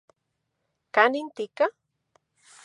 ¿Kanin tika?